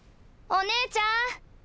お姉ちゃん？